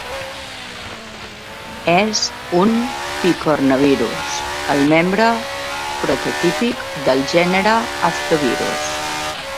És un picornavirus, el membre prototípic del gènere Aftovirus.